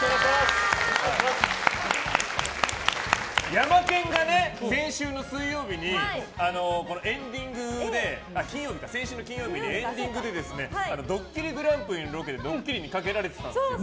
ヤマケンが先週の金曜日にエンディングで「ドッキリＧＰ」のロケでドッキリにかけられてたんですよ。